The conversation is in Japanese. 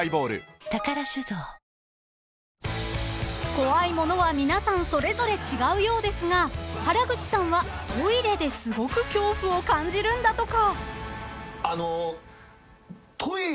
［怖いものは皆さんそれぞれ違うようですが原口さんはトイレですごく恐怖を感じるんだとか］